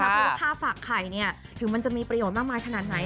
เพราะว่าค่าฝากไข่ถึงมันจะมีประโยชน์มากมายขนาดไหน